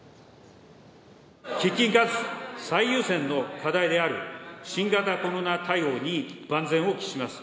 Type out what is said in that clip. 喫緊かつ最優先の課題である、新型コロナ対応に万全を期します。